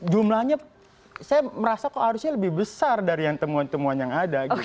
jumlahnya saya merasa kok harusnya lebih besar dari yang temuan temuan yang ada gitu